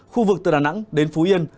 khu vực từ đà nẵng đến phú yên